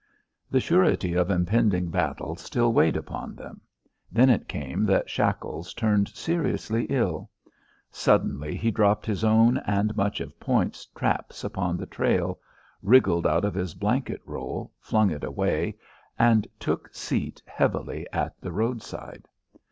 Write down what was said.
The surety of impending battle still weighed upon them. Then it came that Shackles turned seriously ill. Suddenly he dropped his own and much of Point's traps upon the trail, wriggled out of his blanket roll, flung it away, and took seat heavily at the roadside.